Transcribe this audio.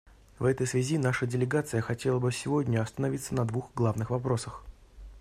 В этой связи наша делегация хотела бы сегодня остановиться на двух главных вопросах.